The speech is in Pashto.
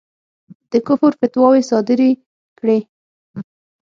د کُفر فتواوې صادري کړې.